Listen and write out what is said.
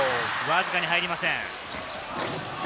わずかに入りません。